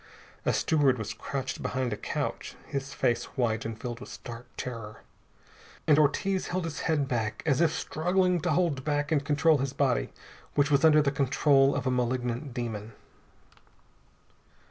A steward was crouched behind a couch, his face white and filled with stark terror. And Ortiz held his head back, as if struggling to hold back and control his body, which was under the control of a malignant demon.